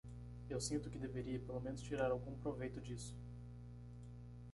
Eu sinto que deveria pelo menos tirar algum proveito disso.